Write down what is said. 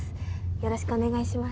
よろしくお願いします。